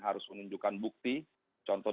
harus menunjukkan bukti contoh